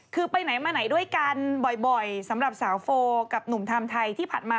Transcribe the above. คือไปไหนมาไหนด้วยกันบ่อยสำหรับสาวโฟกับหนุ่มไทม์ไทยที่ผ่านมา